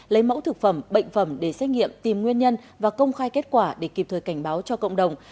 lấy mẫu thực phẩm bệnh phẩm để xét nghiệm tìm nguyên nhân và công khai kết quả để kịp thời cảnh báo cho cộng đồng